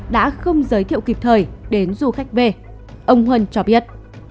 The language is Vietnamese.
đã không giới thiệu kịp thời đến du khách về ông huân cho biết